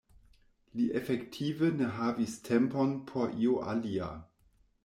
Li efektive ne havis tempon por io alia.